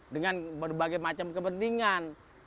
dengan berbagai macam kepentingan